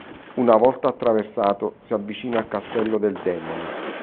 Una volta attraversato, si avvicina al castello del demone.